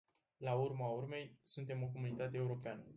La urma urmei, suntem o comunitate europeană.